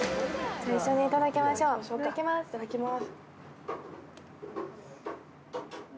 一緒にいただきましょう、いただきます。